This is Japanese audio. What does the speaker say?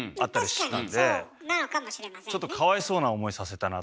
ちょっとかわいそうな思いさせたなと思いますよね。